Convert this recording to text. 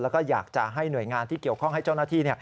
แล้วก็อยากจะให้หน่วยงานที่เกี่ยวข้องให้เจ้าหน้าที่